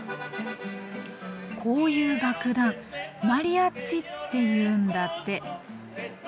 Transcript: こういう楽団マリアッチっていうんだって。